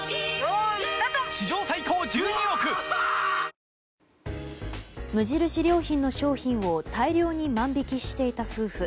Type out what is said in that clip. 新発売「生茶リッチ」無印良品の商品を大量に万引きしていた夫婦。